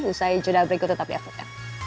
usai judah berikut tetap di after